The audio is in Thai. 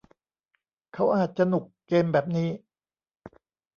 เขาอาจจะหนุกเกมแบบนี้